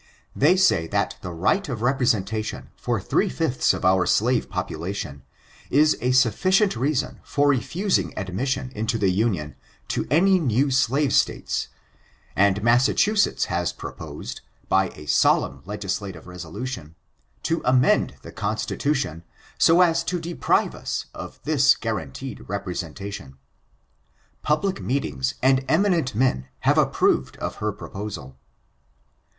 They say that the right of representa tion for three fiflhs of our slave population, is a suflBcient reason for refusing admission into the Union to any new slave States and Massachusetts has proposed, by a solemn legislative resolution, to amend the Constitution so as to deprive us of this guaranteed representation. Public meetings and eminent men have approved of her proposal.